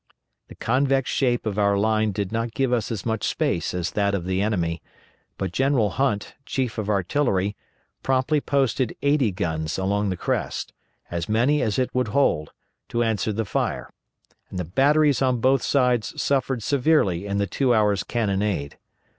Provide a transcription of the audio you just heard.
The convex shape of our line did not give us as much space as that of the enemy, but General Hunt, Chief of Artillery, promptly posted eighty guns along the crest as many as it would hold to answer the fire, and the batteries on both sides suffered severely in the two hours' cannonade.